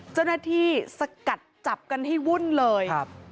เจ้าหน้าที่สกัดจับกันให้วุ่นเลย